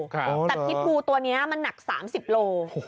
แต่พิษพูตัวนี้มันหนัก๓๐โล